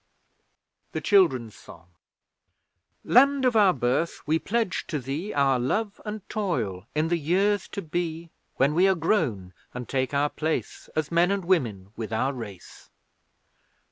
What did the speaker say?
THE CHILDREN'S SONG Land of our Birth, we pledge to thee Our love and toil in the years to be; When we are grown and take our place, As men and women with our race.